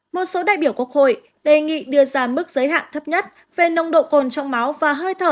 một số đại biểu quốc hội đề nghị đưa ra mức giới hạn thấp nhất về nồng độ cồn trong máu và hơi thở